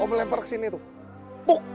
om lebar ke sini tuh